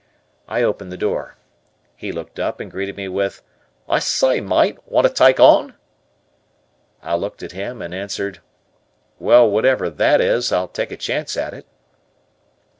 I opened the door. He looked up and greeted me with "I s'y, myte, want to tyke on?" I looked at him and answered, "Well, whatever that is, I'll take a chance at it."